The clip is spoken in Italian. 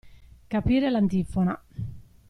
Capire l'antifona.